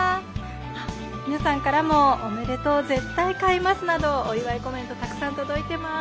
あっ皆さんからも「おめでとう」「絶対買います！」などお祝いコメントたくさん届いてます。